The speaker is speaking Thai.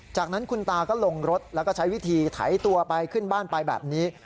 จากนั้นคุณตาก็ลงรถแล้วก็ใช้วิธีไถตัวไปขึ้นบ้านไปแบบนี้